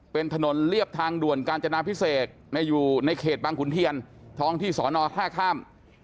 เป็นถนนเรียบทางด่วนกาญจนาพิเศษอยู่ในเขตบางขุนเทียนท้องที่สอนอท่าข้าม